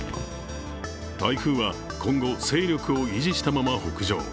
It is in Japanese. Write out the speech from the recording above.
台風は今後、勢力を維持したまま北上。